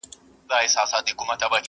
چي ډاکټر ورته کتله وارخطا سو٫